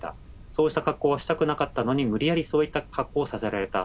そうした格好はしたくなかったのに、無理やりそういった格好をさせられた。